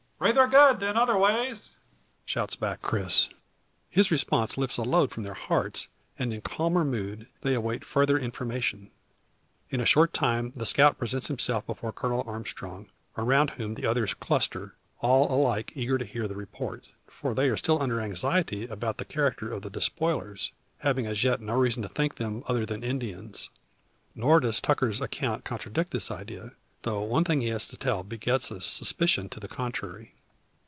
Rayther good than otherways," shouts back Oris. His response lifts a load from their hearts, and in calmer mood they await further information. In a short time the scout presents himself before Colonel Armstrong, around whom the others cluster, all alike eager to hear the report. For they are still under anxiety about the character of the despoilers, having as yet no reason to think them other than Indians. Nor does Tucker's account contradict this idea; though one thing he has to tell begets a suspicion to the contrary.